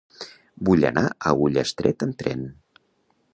Vull anar a Ullastret amb tren.